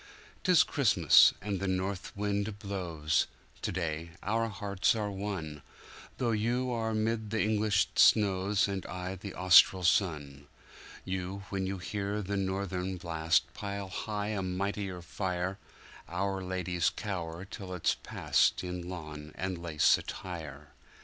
'Tis Christmas, and the North wind blows; to day our hearts are one, Though you are 'mid the English snows and I in Austral sun; You, when you hear the Northern blast, pile high a mightier fire, Our ladies cower until it's past in lawn and lace attire.